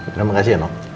terima kasih ya nob